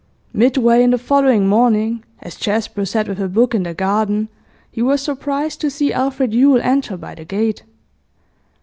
Midway in the following morning, as Jasper sat with a book in the garden, he was surprised to see Alfred Yule enter by the gate.